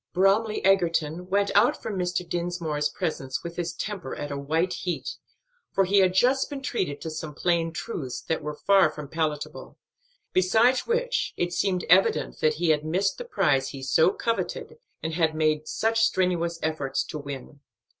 Bromly Egerton went out from Mr. Dinsmore's presence with his temper at a white heat, for he had just been treated to some plain truths that were far from palatable; besides which it seemed evident that he had missed the prize he so coveted and had made such strenuous efforts to win.